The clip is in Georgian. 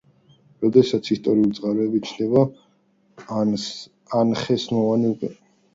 როდესაც ისტორიული წყაროები ჩნდება, ანხესენამონი უკვე დედოფლად გვევლინება.